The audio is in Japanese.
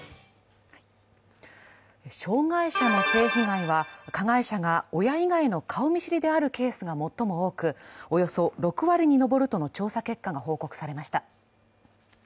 障害者の性被害は加害者が親以外の顔見知りであるケースが最も多く、およそ６割に上るとの調査結果が報告されました。